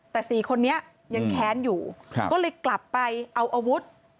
แต่๔คนนี้ยังแค้นอยู่ก็เลยกลับไปเอาอาวุธ